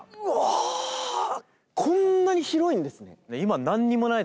うわこんなに広いんですね。